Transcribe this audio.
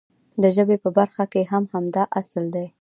د ژبې په برخه کې هم همدا اصل دی.